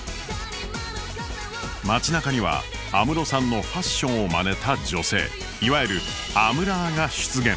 街なかには安室さんのファッションをまねた女性いわゆる「アムラー」が出現。